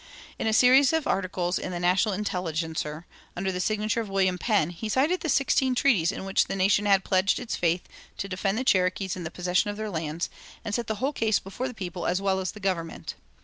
In a series of articles in the "National Intelligencer," under the signature of "William Penn," he cited the sixteen treaties in which the nation had pledged its faith to defend the Cherokees in the possession of their lands, and set the whole case before the people as well as the government.